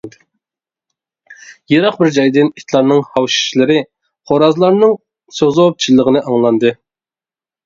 يىراق بىر جايدىن ئىتلارنىڭ ھاۋشىشلىرى، خورازلارنىڭ سوزۇپ چىللىغىنى ئاڭلاندى.